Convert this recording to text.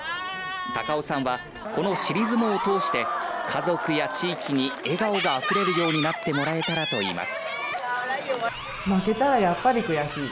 高尾さんはこの尻相撲を通して家族や地域に笑顔があふれるようになってもらえたらといいます。